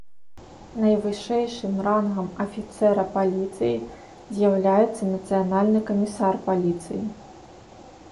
Найвышэйшым рангам афіцэра паліцыі з'яўляецца нацыянальны камісар паліцыі.